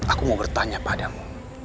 aku mau bertanya padamu